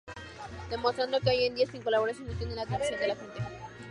Demostrando que hoy en día sin colaboraciones, no tienen la atracción de la gente.